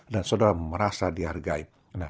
dan saudara merasa dihargai